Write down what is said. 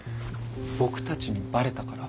僕たちにバレたから？